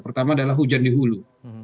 pertama adalah hujan di hulu